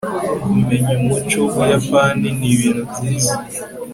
kumenya umuco wubuyapani nibintu byiza